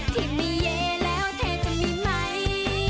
ที่มีเย้แล้วเธอจะมีไหม